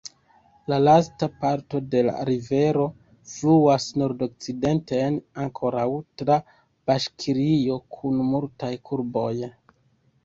La lasta parto de la rivero fluas nordokcidenten, ankoraŭ tra Baŝkirio, kun multaj kurboj.